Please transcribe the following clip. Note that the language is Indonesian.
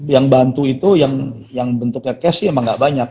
yang bantu itu yang bentuknya cash sih emang gak banyak